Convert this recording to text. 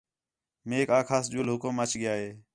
میک آکھاس ڄُل حُکم اَچ ڳِیا ہِے